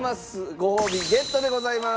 ごほうびゲットでございます。